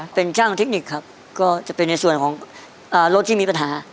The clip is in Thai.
เป็นช่างเทคนิคครับก็จะเป็นในส่วนของรถที่มีปัญหา